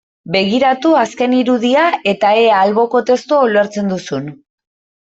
Begiratu azken irudia eta ea alboko testua ulertzen duzun.